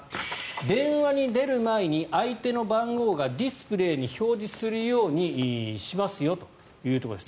電話に出る前に相手の番号をディスプレーに表示するようにしますよというところです。